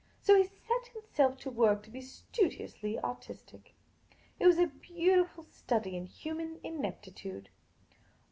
So he set himself to work to be studiously artistic. It was a beautiful study in human ineptitude.